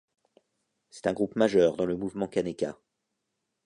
C'est un groupe majeur dans le mouvement kaneka.